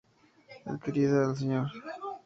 Adquirida al Sr.